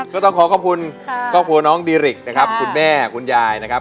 ก็ต้องขอขอบคุณครอบครัวน้องดีริกนะครับคุณแม่คุณยายนะครับ